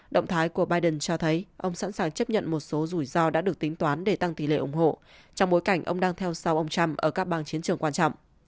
động thái của biden cho thấy ông sẵn sàng chấp nhận một số rủi ro đã được tính toán để tăng tỷ lệ ủng hộ trong bối cảnh ông đang theo sau ông trump ở các bang chiến trường quan trọng